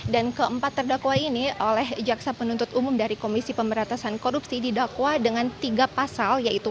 dan keempat terdakwa ini oleh jaksa penuntut umum dari komisi pemerintahan korupsi didakwa dengan tiga pasal yaitu